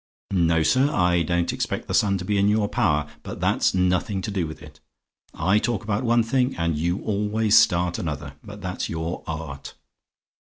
No, sir; I don't expect the sun to be in your power; but that's nothing to do with it. I talk about one thing, and you always start another. But that's your art.